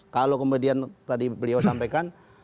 kalau kemudian tadi beliau sampaikan